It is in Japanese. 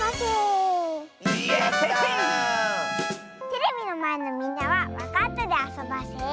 テレビのまえのみんなはわかったであそばせ。